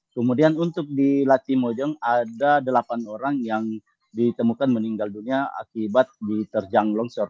kemudian untuk di latimojong ada delapan orang yang ditemukan meninggal dunia akibat diterjang longsor